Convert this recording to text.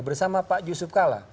bersama pak yusuf kala